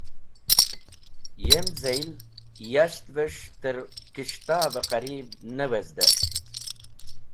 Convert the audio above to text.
Yemzel, yashtves̃h trẽ kis̃ht’v-e qarib ne wezde.